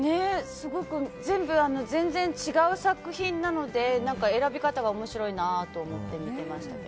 すごく全部違う作品なので選び方が面白いなと思って見てましたけど。